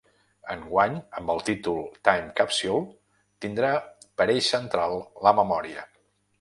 Enguany, amb el títol ‘Time Capsule’, tindrà per eix central la memòria.